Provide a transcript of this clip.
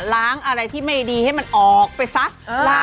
ล้างอะไรที่ไม่ดีให้มันออกไปสัฆภ์